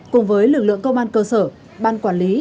cùng với lực lượng công an cơ sở ban quản lý